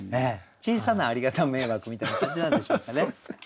小さなありがた迷惑みたいな感じなんでしょうかね。